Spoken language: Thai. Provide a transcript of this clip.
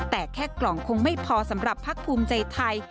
แต่แค่กล่องคงไม่พอสำหรับพักภูมิใจไทย